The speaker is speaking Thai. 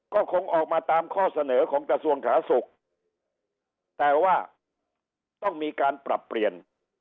ก็คงออกมาตามข้อเสนอของกระทรวงสาธารณสุขแต่ว่าต้องมีการปรับเปลี่ยน